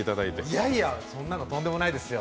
いやいや、そんなの、とんでもないですよ。